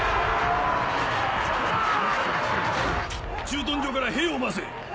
駐屯所から兵を回せ！